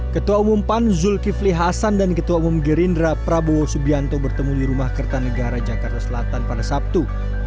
ketua umum pan zulkifli hasan dan ketua umum gerindra prabowo subianto bertemu di rumah kertanegara jakarta selatan pada sabtu